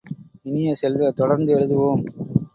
இனியசெல்வ தொடர்ந்து எழுதுவோம்!